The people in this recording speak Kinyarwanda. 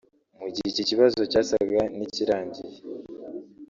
Mu gihe iki kibazo cyasaga n’ikirangiye